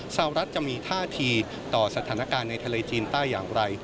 สาวรัฐจะมีท่าทีต่อสถานการณ์ในทะเลจีนใต้อย่างไร